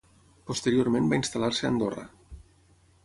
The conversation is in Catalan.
Posteriorment va instal·lar-se a Andorra.